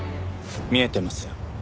見えてますよ。